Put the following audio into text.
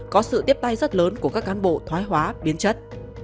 có sự tiếp tay rất lớn của các cán bộ thoái hóa biến chất